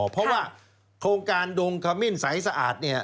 เพราะว่าโครงการดงคมิ้นสายสะอาด